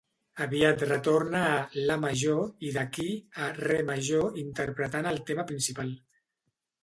Aviat retorna a la major i d'aquí, a re major interpretant el tema principal.